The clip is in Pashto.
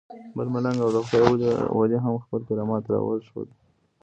بل ملنګ او د خدای ولی هم خپل کرامت راوښود.